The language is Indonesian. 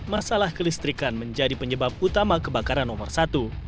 masalah kelistrikan menjadi penyebab utama kebakaran nomor satu